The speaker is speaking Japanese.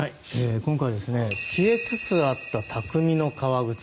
今回、消えつつあった匠の革靴。